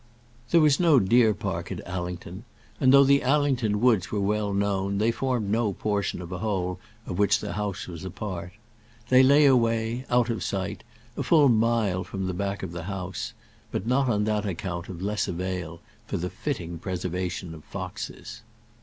There was no deer park at Allington; and though the Allington woods were well known, they formed no portion of a whole of which the house was a part. They lay away, out of sight, a full mile from the back of the house; but not on that account of less avail for the fitting preservation of foxes.